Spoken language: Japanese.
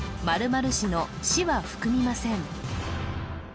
○市の「市」は含みません・